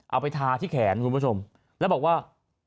เอาไปทาที่แขนคุณผู้ชมแล้วบอกว่า